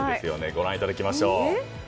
ご覧いただきましょう。